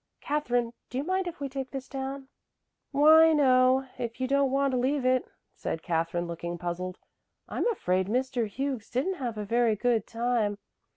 Katherine, do you mind if we take this down?" "Why, no, if you don't want to leave it," said Katherine looking puzzled. "I'm afraid Mr. Hughes didn't have a very good time.